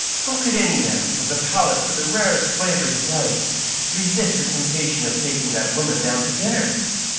" How could any man with a palate for the rarest flavors of life resist the temptation of taking that woman down to dinner?